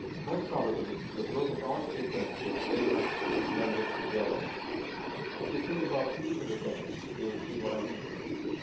Most probably the growth of all three things was very much blended together. If you think about each of the things, you will see what I mean.